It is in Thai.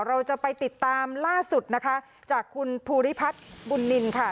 เราจะไปติดตามล่าสุดนะคะจากคุณภูริพัฒน์บุญนินค่ะ